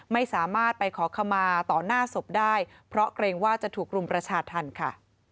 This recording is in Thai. ไม่สามารถไปขอขมาต่อหน้าศพได้เพราะเกรงว่าจะถูกรุมประชาธรรมค่ะ